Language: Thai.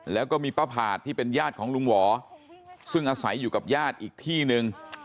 แล้วก็มีป้าผาดที่เป็นญาติของลุงหวอซึ่งอาศัยอยู่กับญาติอีกที่หนึ่ง